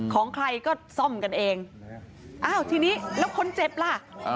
ของใครก็ซ่อมกันเองอ้าวทีนี้แล้วคนเจ็บล่ะ